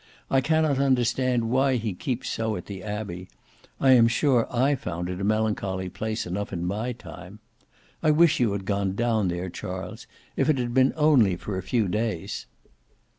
I cannot understand why he keeps so at the Abbey. I am sure I found it a melancholy place enough in my time. I wish you had gone down there, Charles, if it had been only for a few days."